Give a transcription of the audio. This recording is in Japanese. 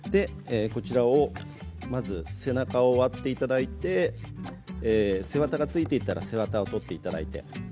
背中を割っていただいて背わたがついていたら背わたを取っていただいて。